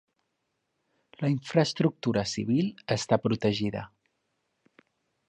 La infraestructura civil està protegida.